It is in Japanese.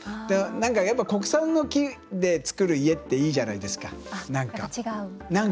なんか国産の木で造る家っていいじゃないですか。